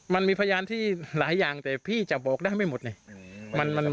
มันมีพยานที่หลายอย่างแต่พี่จะบอกได้ไม่หมดเนี่ย